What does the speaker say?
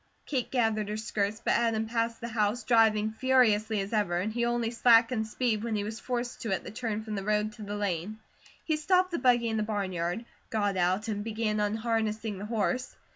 Kate gathered her skirts, but Adam passed the house, driving furiously as ever, and he only slackened speed when he was forced to at the turn from the road to the lane. He stopped the buggy in the barnyard, got out, and began unharnessing the horse.